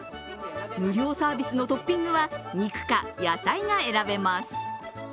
無料サービスのトッピングは肉か野菜が選べます。